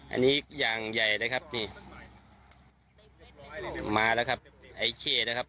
อันนี้อย่างใหญ่เลยครับนี่มาแล้วครับไอ้เข้นะครับ